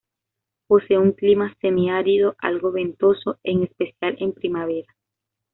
Posee un clima semiárido, algo ventoso, en especial en primavera.